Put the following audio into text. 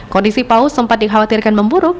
kondisi paus sempat dikhawatirkan memburuk